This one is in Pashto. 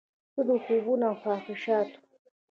ته د خوبونو او خواهشاتو،